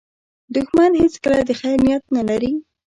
دښمن هیڅکله د خیر نیت نه لري